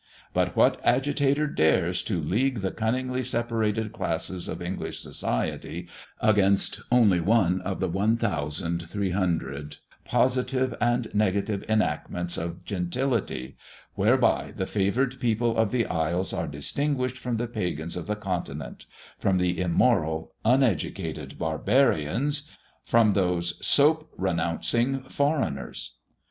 But what agitator dares to league the cunningly separated classes of English society against only one of the one thousand three hundred positive and negative enactments of Gentility, whereby the favoured people of the isles are distinguished from the pagans of the continent from the immoral, uneducated barbarians from those 'soap renouncing' foreigners!